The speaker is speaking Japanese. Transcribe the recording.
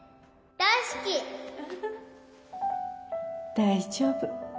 大丈夫。